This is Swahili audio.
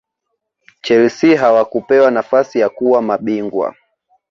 chelsea hawakupewa nafasi ya kuwa mabingwa